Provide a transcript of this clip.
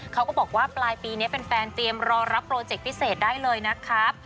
เขาก็บอกว่าปลายปีนี้แฟนเตรียมรอรับโปรเจคพิเศษได้เลยนะครับ